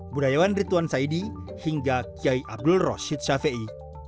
budayawan rituan saidy hingga kiai abdul rashid shafiei